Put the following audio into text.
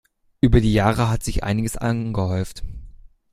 Über die Jahre hat sich einiges angehäuft.